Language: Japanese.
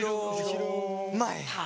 前。